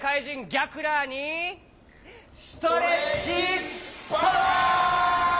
ギャクラーにストレッチパワー！